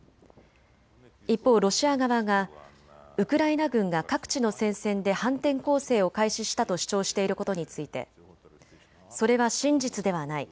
一方、ロシア側がウクライナ軍が各地の戦線で反転攻勢を開始したと主張していることについてそれは真実ではない。